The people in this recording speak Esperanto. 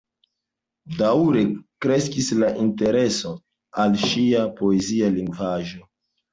Daŭre kreskis la intereso al ŝia poezia lingvaĵo.